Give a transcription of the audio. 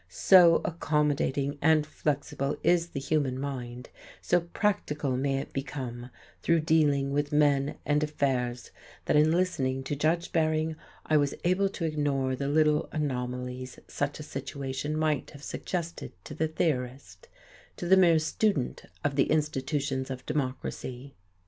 So accommodating and flexible is the human mind, so "practical" may it become through dealing with men and affairs, that in listening to Judge Bering I was able to ignore the little anomalies such a situation might have suggested to the theorist, to the mere student of the institutions of democracy.